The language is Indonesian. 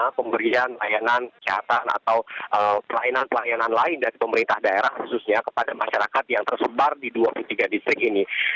bagaimana pemberian layanan kesehatan atau pelayanan pelayanan lain dari pemerintah daerah khususnya kepada masyarakat yang tersebar di dua puluh tiga distrik ini